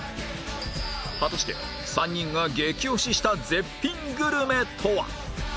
果たして３人が激推しした絶品グルメとは？